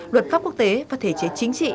luật pháp quốc tế và thể chế chính trị